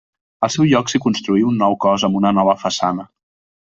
Al seu lloc s'hi construí un nou cos amb una nova façana.